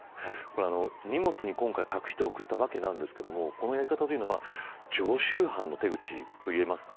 荷物に今回隠しておいたわけなんですけれどこのやり方は常習犯の手口と言えますか。